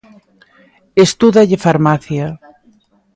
Estúdalle farmacia.